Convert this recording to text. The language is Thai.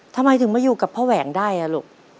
ทำไมถึงมาอยู่กับพ่อแหวงได้อ่ะลูก